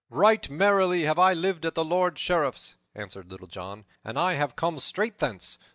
"Right merrily have I lived at the Lord Sheriff's," answered Little John, "and I have come straight thence.